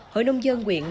hội nông dân nguyện